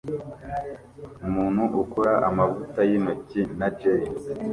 Umuntu ukora amavuta yintoki na jelly